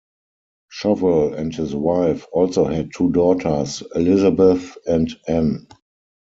Shovell and his wife also had two daughters: Elizabeth and Anne.